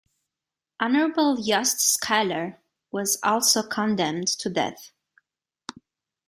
Honorable Yost Schuyler was also condemned to death.